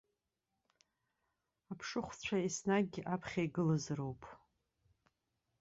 Аԥшыхәцәа еснагь аԥхьа игылазароуп.